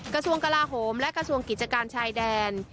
กระทรวงกลาโหมและกระทรวงกิจการชายแดน